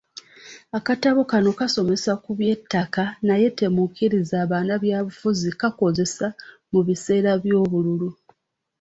Akatabo kano kasomesa ku bya ttaka naye temukkiriza bannabyabufuzi okukakozesa mu biseera by'obululu.